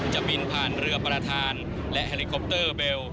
จะบินผ่านเรือประธานและเฮลิคอปเตอร์เบล